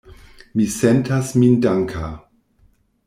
Mi sentas min danka.